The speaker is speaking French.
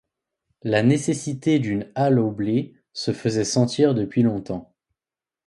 La nécessité d’une halle au blé se faisait sentir depuis longtemps.